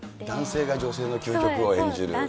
男性が女性の究極を演じる。